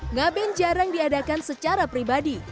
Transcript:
ngaben jarang diadakan secara pribadi